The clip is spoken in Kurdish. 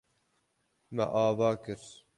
Me ava kir.